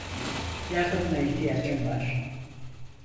Yardımına ihtiyacım var.